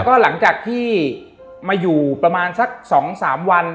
ก็หลังจากที่มาอยู่ประมาณสัก๒๓วัน